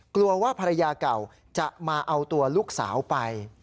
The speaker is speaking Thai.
กลัวว่าภรรยาเก่าจะมาเอาตัวลูกสาวไป